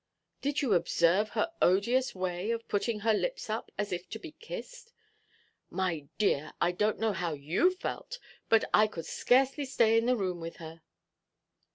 Did you observe her odious way of putting her lips up, as if to be kissed? My dear, I donʼt know how you felt; but I could scarcely stay in the room with her."